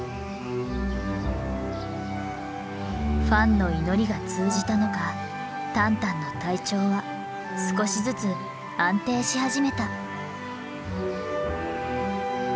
ファンの祈りが通じたのかタンタンの体調は少しずつ安定し始めた。